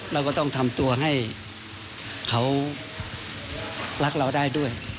เราก็ต้องทำตัวให้เขารักเราได้ด้วย